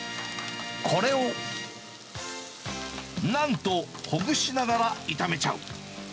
これを、なんと、ほぐしながら炒めちゃう。